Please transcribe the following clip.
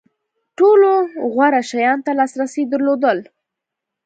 ټولو غوره شیانو ته لاسرسی درلود.